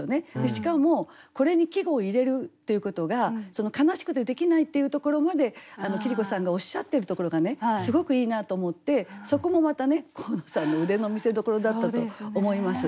しかもこれに季語を入れるっていうことが悲しくてできないっていうところまで桐子さんがおっしゃってるところがすごくいいなと思ってそこもまたね神野さんの腕の見せどころだったと思います。